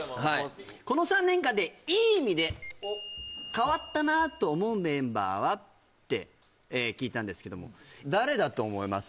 この３年間でいい意味で変わったなと思うメンバーは？って聞いたんですけども誰だと思います？